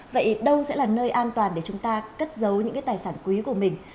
vậy đâu sẽ là nơi an toàn để chúng ta cất giấu những cái tài sản quý của mình